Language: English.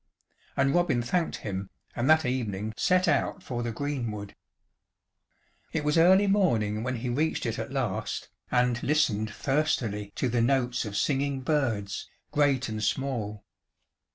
And Robin thanked him, and that evening set out for the greenwood. It was early morning when he reached it at last, and listened thirstily to the notes of singing birds, great and small.